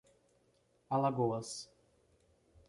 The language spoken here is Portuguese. Alagoas